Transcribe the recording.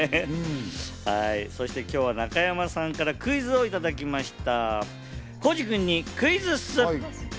そして今日は中山さんからクイズもいただきました。